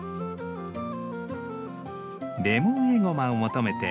レモンエゴマを求めて